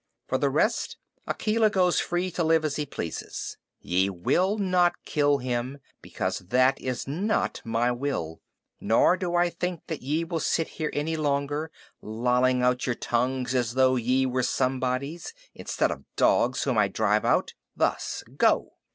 For the rest, Akela goes free to live as he pleases. Ye will not kill him, because that is not my will. Nor do I think that ye will sit here any longer, lolling out your tongues as though ye were somebodies, instead of dogs whom I drive out thus! Go!"